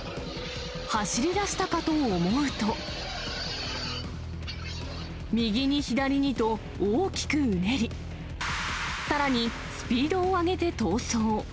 走りだしたかと思うと、右に左にと、大きくうねり、さらにスピードを上げて逃走。